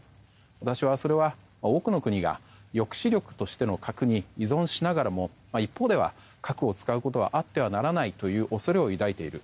私は、それは多くの国が抑止力としての核に依存しながらも一方では核を使うことはあってはならないという恐れを抱いている。